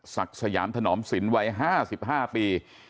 สยามถนอมสินวัย๕๕ปี